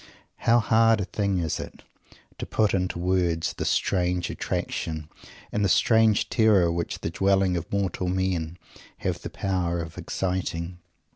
How hard a thing is it, to put into words the strange attraction and the strange terror which the dwellings of mortal men have the power of exciting!